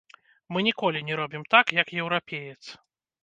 Мы ніколі не робім так, як еўрапеец.